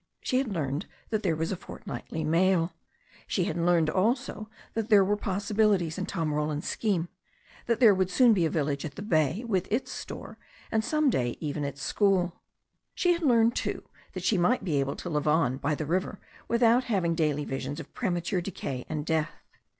She had learned that there was a fortnightly mail. She had learned also that there were possibilities in Tom Roland's scheme, that there would soon be a village at the bay, with its store, and some day even its school. She had learned, too, that she might be able to live on by the river without having daily visions of premature decay and death.